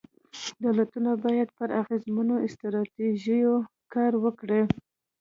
دولتونه باید پر اغېزمنو ستراتیژیو کار وکړي.